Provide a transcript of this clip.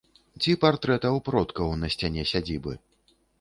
Ці партрэтаў продкаў на сцяне сядзібы.